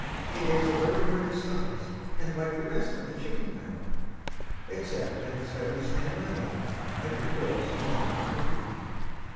It is of ordinary size and like the rest of the chicken family, except that its feathers stand on end like the quills of an angry porcupine.